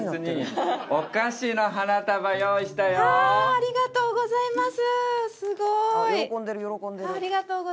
ありがとうございます。